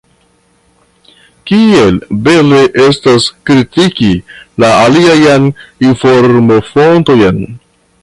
Kiel bele estas kritiki la aliajn informofontojn!